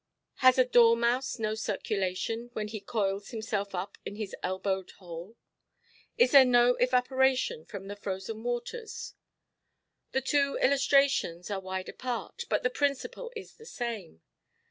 Has a dormouse no circulation, when he coils himself up in his elbowed hole? Is there no evaporation from the frozen waters? The two illustrations are wide apart, but the principle is the same.